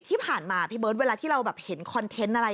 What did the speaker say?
ที่ผ่านมาพี่เบิร์ตเวลาที่เราแบบเห็นคอนเทนต์อะไร